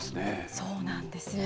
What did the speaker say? そうなんですよ。